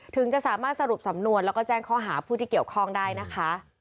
ถึงจะสามารถสรุปสำนวนแล้วก็แจ้งข้อหาผู้ที่เกี่ยวข้องได้นะคะ